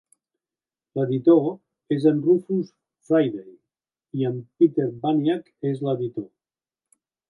L'editor és en Rufus Friday, i en Peter Baniak és l'editor.